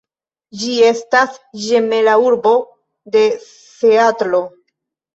Ĝi estas ĝemela urbo de Seatlo.